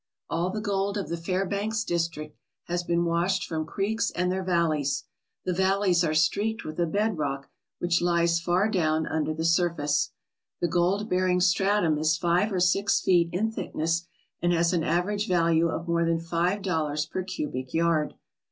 AH the gold of the Fairbanks district has been washed from creeks and their valleys. The valleys are streaked with a bed rock which lies far down under the surface. The gold bearing stratum is five or six feet in thickness and has an average value of more than five dollars per cubic yard.